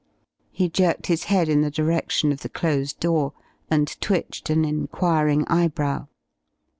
He jerked his head in the direction of the closed door, and twitched an enquiring eyebrow.